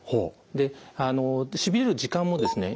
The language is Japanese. でしびれる時間もですね